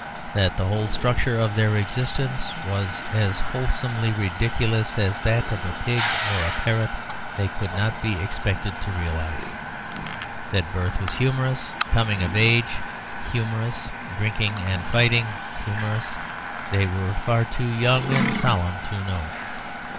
That the whole structure of their existence was as wholesomely ridiculous as that of a pig or a parrot they could not be expected to realize; that birth was humorous, coming of age humorous, drinking and fighting humorous, they were far too young and solemn to know.